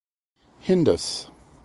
Hindus.